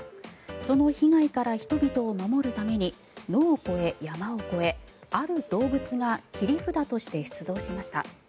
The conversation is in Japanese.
その被害から人々を守るために野を越え山を越えある動物が切り札として出動しました。